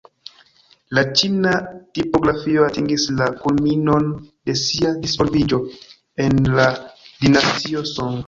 La ĉina tipografio atingis la kulminon de sia disvolviĝo en la dinastio Song.